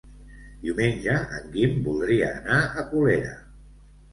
Diumenge en Guim voldria anar a Colera.